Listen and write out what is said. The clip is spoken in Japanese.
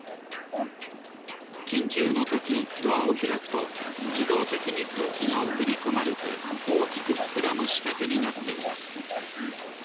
きんきゅうのときドアをひらくとじどうてきにくうきがおくりこまれておおきくふくらむしかけになっています。